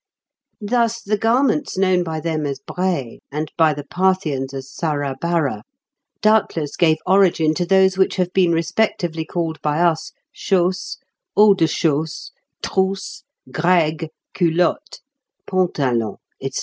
Thus the garments known by them as braies, and by the Parthians as sarabara, doubtless gave origin to those which have been respectively called by us chausses, haut de chausses, trousses, grègues, culottes, pantalons, &c.